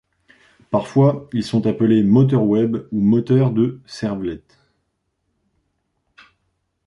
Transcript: Parfois, ils sont appelés moteur web ou moteur de servlets.